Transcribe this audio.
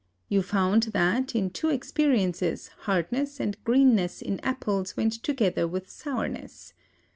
You found that, in two experiences, hardness and greenness in apples went together with sourness.